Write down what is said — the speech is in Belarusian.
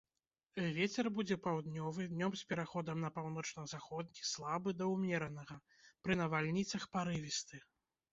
Вецер будзе паўднёвы, днём з пераходам на паўночна-заходні слабы да ўмеранага, пры навальніцах парывісты.